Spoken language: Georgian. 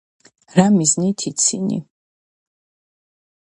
რა მიზეზით იცინი